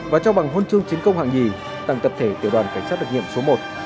và cho bằng hôn trương chiến công hạng nhì tặng tập thể tiểu đoàn cảnh sát đặc nhiệm số một